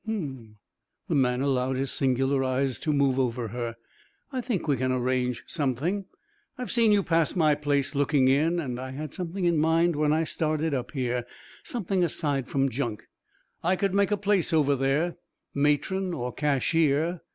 "Uhm." The man allowed his singular eyes to move over her. "I think we can arrange something. I've seen you pass my place, looking in; and I had something in mind when I started up here something aside from junk. I could make a place over there matron or cashier.